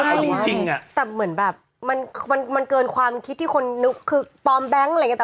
จริงอ่ะแต่เหมือนแบบมันเกินความคิดที่คนนึกคือปลอมแบงค์อะไรอย่างเงี้